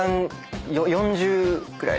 ４０くらい？